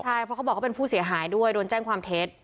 ใช่เพราะเขาบอกเขาเป็นผู้เสียหายด้วยโดนแจ้งความเท็จ